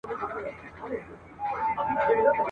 لکه نه چي وي روان داسي پر لار ځي ..